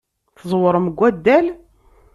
Tẓewrem deg waddal?